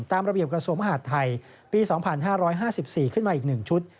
ตามระเบียบของกรสวมหัดไทยปี๒๕๕๔ขึ้นมาอีกหนึ่งชุด